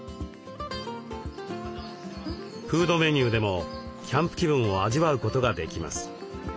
フードメニューでもキャンプ気分を味わうことができます。